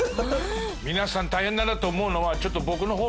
皆さん大変だなと思うのはちょっと。